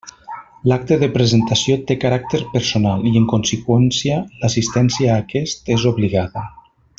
L'acte de presentació té caràcter personal i, en conseqüència, l'assistència a aquest és obligada.